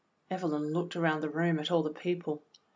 Evelyn looked around the room at all the people.